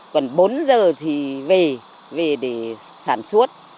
còn bốn giờ thì về về để sản xuất